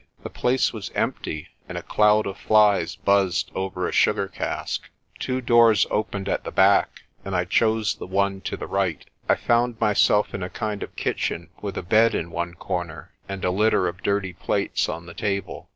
The place was empty, and a cloud of flies buzzed over the sugar cask. Two doors opened at the back, and I chose the one to the right. I found myself in a kind of kitchen with a bed in one corner, and a litter of dirty plates on the table.